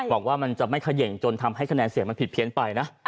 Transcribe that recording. บอกว่ามันจะไม่เขย่งจนทำให้คะแนนเสียงมันผิดเพี้ยนไปนะ